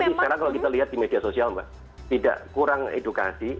tapi sekarang kalau kita lihat di media sosial mbak tidak kurang edukasi